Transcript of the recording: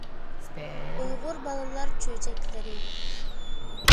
ئۇيغۇر بالىلار چۆچەكلىرى